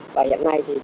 và hiện nay thì